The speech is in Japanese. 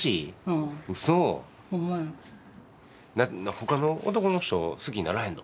ほかの男の人好きにならへんの？